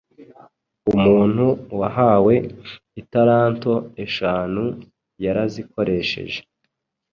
Umuntu wahawe italanto eshanu yarazikoresheje.